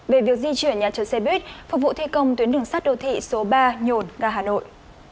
về việc di chuyển nhà chờ xe buýt phục vụ thi công tuyến đường sắt đô thị số ba nhồn ga hà nội